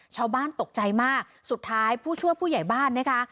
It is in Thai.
ชาวบ้านตกใจมากสุดท้ายผู้ช่วยผู้ใหญ่บ้านนะคะ